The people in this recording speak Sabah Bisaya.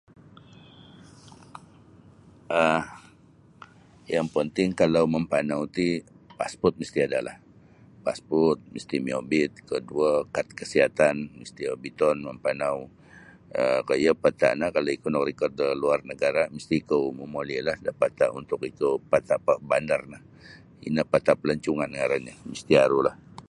um yang penting kalau mampanau ti pasport misti' ada'lah pasport misti' miobit koduo kad kasihatan misti' obiton mampanau um koyo pata' no kalau ikou nakarikot da luar nagara' misti' ikou momolilah da pata' untuk ikou pata' bandar no ino pata' palancongan ngarannyo misti' arulah.